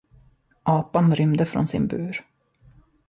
Apan rymde från sin bur.